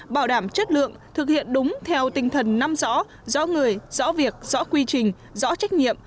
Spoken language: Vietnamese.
bảo đảm chất lượng thực hiện đúng theo tinh thần năm rõ rõ người rõ việc rõ quy trình rõ trách nhiệm